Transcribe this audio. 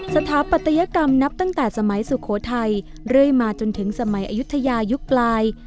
สถาปัตยกรรมนับตั้งแต่สมัยสุโขทัยเรื่อยมาจนถึงสมัยอายุทยายุคปลาย